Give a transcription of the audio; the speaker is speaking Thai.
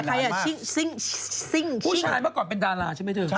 ใครล่ะชิ้งมากก่อนเป็นดาราใช่ไหมเธอ